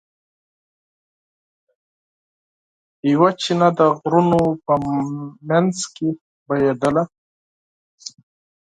یوه چینه د غرونو په منځ کې بهېدله.